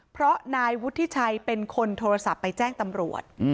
เพราะนายวุฒิชัยเป็นคนโทรศัพท์ไปแจ้งตำรวจ